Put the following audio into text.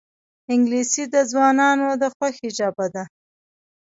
انګلیسي د ځوانانو خوښه ژبه ده